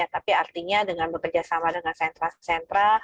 tapi artinya dengan bekerjasama dengan sentra sentra